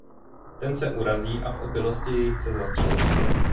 Ten se urazí a v opilosti jej chce zastřelit.